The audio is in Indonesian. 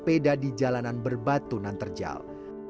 sepeda di jalanan berbatu nan terjal